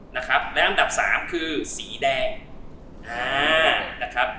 และอันดับสามคือสีแดง